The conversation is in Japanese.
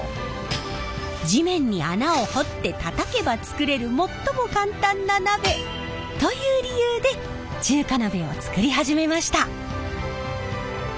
地面に穴を掘ってたたけば作れる最も簡単な鍋。という理由で中華鍋を作り始めました。